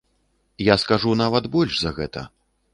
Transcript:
Я скажу нават больш за гэта.